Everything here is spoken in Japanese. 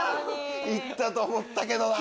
行ったと思ったけどな。